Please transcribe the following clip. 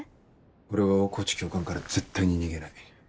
俺は大河内教官から絶対に逃げない。